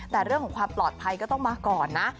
แต่เรื่องของความปลอดภัยก็ต้องมาก่อนนะ